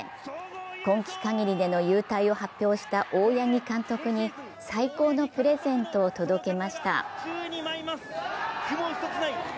今季限りでの勇退を発表した大八木監督に最高のプレゼントを届けました。